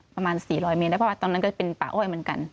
ประมาณ๔๐๐เมตรได้เพราะว่าตอนนั้นก็เป็นป่าอ้อยเหมือนกัน